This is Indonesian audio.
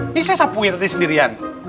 ini saya sapuin tadi sendirian